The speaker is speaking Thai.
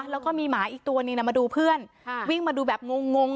แล้วก็มีหมาอีกตัวนึงมาดูเพื่อนวิ่งมาดูแบบงง